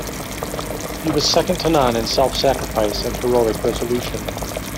He was second to none in self-sacrifice and heroic resolution.